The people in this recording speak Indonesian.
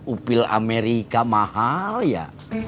upil amerika mahal ya